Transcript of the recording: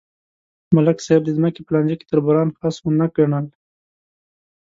ملک صاحب د ځمکې په لانجه کې تربوران خس ونه ګڼل.